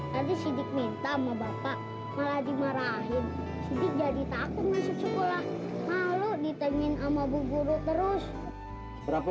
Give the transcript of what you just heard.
tadi sidik minta sama bapak malah dimarahin